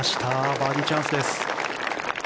バーディーチャンスです。